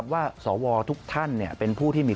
สวทุกท่านเป็นผู้ที่มี